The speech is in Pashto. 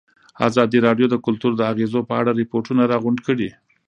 ازادي راډیو د کلتور د اغېزو په اړه ریپوټونه راغونډ کړي.